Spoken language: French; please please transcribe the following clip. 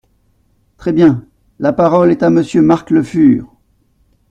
Très bien ! La parole est à Monsieur Marc Le Fur.